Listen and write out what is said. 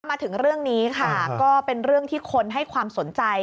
มาถึงเรื่องนี้ค่ะก็เป็นเรื่องที่คนให้ความสนใจ